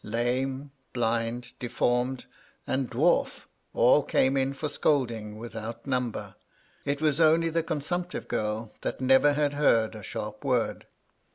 Lame, blind, deformed, and dwarf, all came in for scoldings without number: it was only the consumptive girl that never had heard a sharp word.